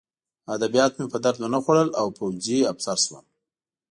ادبیات مې په درد ونه خوړل او پوځي افسر شوم